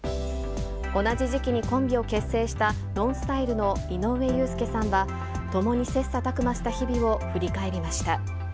同じ時期にコンビを結成したＮＯＮＳＴＹＬＥの井上裕介さんは、共に切さたく磨した日々を振り返りました。